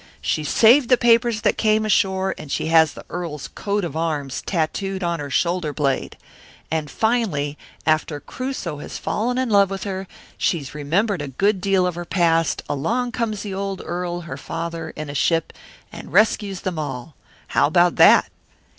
She's saved the papers that came ashore, and she has the Earl's coat of arms tattooed on her shoulder blade, and finally, after Crusoe has fallen in love with her, and she's remembered a good deal of her past, along comes the old Earl, her father, in a ship and rescues them all. How about that?"